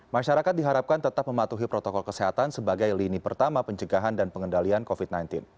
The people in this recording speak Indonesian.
masyarakat diharapkan tetap mematuhi protokol kesehatan sebagai lini pertama pencegahan dan pengendalian covid sembilan belas